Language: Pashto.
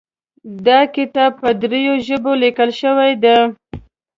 دا کتاب په دریو ژبو لیکل شوی ده